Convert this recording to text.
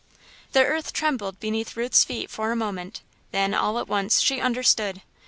The earth trembled beneath Ruth's feet for a moment, then, all at once, she understood.